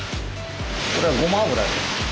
これはごま油です。